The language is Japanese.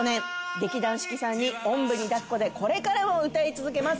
劇団四季さんにおんぶにだっこでこれからも歌い続けます。